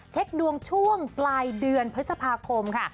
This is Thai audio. เช็คดวงช่วงปลายเดือนพฤษภาคมค่ะ